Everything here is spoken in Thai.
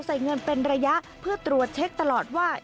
ใส่เงินเป็นระยะเพื่อตรวจเช็คตลอดว่า